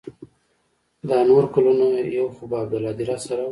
دا نور کلونه يو خو به عبدالهادي راسره و.